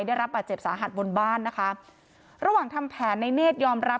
ได้รับบาดเจ็บสาหัสบนบ้านนะคะระหว่างทำแผนในเนธยอมรับ